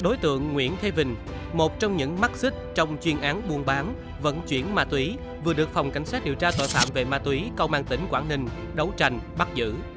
đối tượng nguyễn thế vinh một trong những mắt xích trong chuyên án buôn bán vận chuyển ma túy vừa được phòng cảnh sát điều tra tội phạm về ma túy công an tỉnh quảng ninh đấu tranh bắt giữ